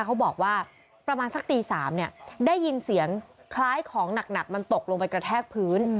เขาบอกว่าประมาณสักตี๓ได้ยินเสียงคล้ายของหนักมันตกลงไปกระแทกพื้น